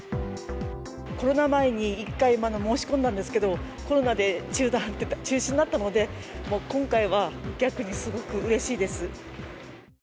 コロナ前に１回、申し込んだんですけど、コロナで中断というか、中止になったので、今回は逆にすごくうれしいです。